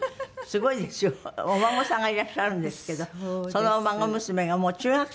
すごいですよ。お孫さんがいらっしゃるんですけどその孫娘がもう中学生になるんですって？